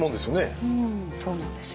うんそうなんですよ。